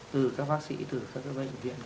từ các bác sĩ từ các bệnh viện